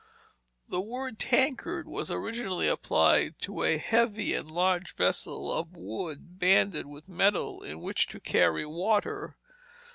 The word tankard was originally applied to a heavy and large vessel of wood banded with metal, in which to carry water.